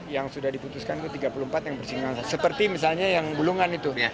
yang sudah diputuskan itu tiga puluh empat yang bersinggungan seperti misalnya yang bulungan itu